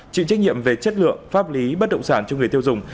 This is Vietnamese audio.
chịu trách nhiệm về chất lượng pháp lý bất động sản cho người tiêu dùng